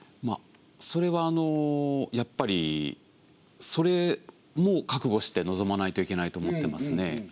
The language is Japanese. それはやっぱりそれも覚悟して臨まないといけないと思ってますね。